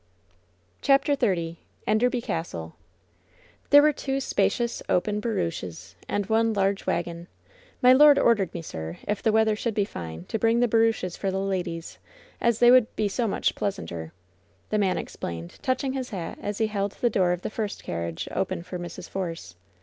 CHAPTER XXX BNDBBBT CASTLE Thebb were two spacious open barouches and one large wagon. "My lord ordered me, sir, if the weather should be fine, to bring the barouches for the ladies, as they would be so much pleasanter," the man explained, touching his hat, as he held the door of the first carriage open for Mrs. Force.